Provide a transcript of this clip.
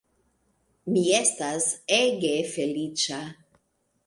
Mi estas ege feliĉa!